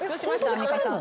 アンミカさん。